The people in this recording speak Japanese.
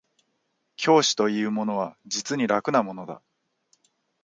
教師というものは実に楽なものだ